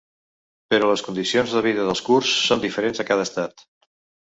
Però les condicions de vida dels kurds són diferents a cada estat.